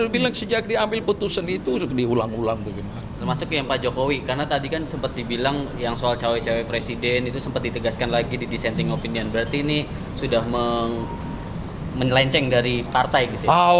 banyak yang soal cowok cowok presiden itu sempat ditegaskan lagi di dissenting opinion berarti ini sudah menyelenceng dari partai gitu ya